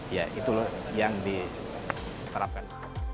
ya itu yang diterapkan